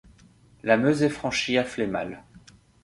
La Meuse est franchie à Flémalle.